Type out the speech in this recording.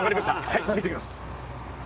はい見ときます。